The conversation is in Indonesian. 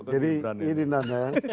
jadi ini di nanek